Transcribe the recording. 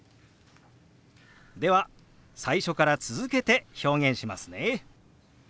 では最初から続けて表現しますね。